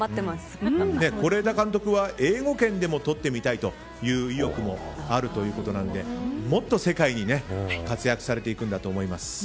是枝監督は英語圏でも撮ってみたいという意欲もあるということなのでもっと世界に活躍されていくんだと思います。